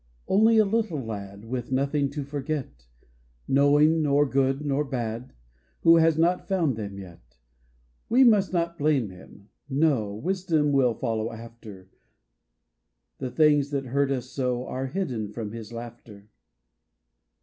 Only a little lad With nothing to forget, Knowing nor good nor bad Who has not found them yet ; We must not blame him, no ! Wisdom will follow after, The things that hurt us so Are hidden from his laughter.